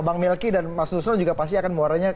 bang melki dan mas nusron juga pasti akan muaranya